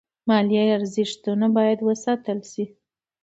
مالي ارزښتونه باید وساتل شي.